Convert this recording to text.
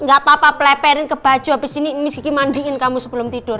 gak papa peleperin ke baju abis ini miss siki mandiin kamu sebelum tidur